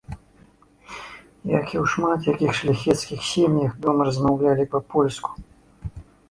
Як і ў шмат якіх шляхецкіх сем'ях, дома размаўлялі па-польску.